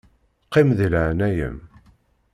Qqim di leɛnaya-m.